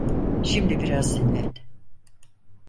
Şimdi biraz dinlen.